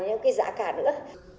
không có cái giá cả nữa